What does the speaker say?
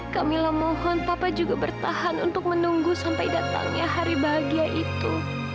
kamilah mohon papa juga bertahan untuk menunggu sampai datangnya hari bahagia itu